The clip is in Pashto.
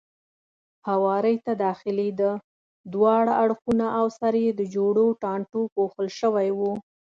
هوارۍ ته داخلېده، دواړه اړخونه او سر یې د جورو ټانټو پوښل شوی و.